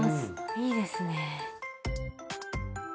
いいですね。